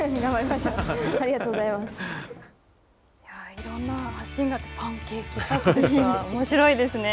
いろんな発信が、パンケーキですか、おもしろいですね。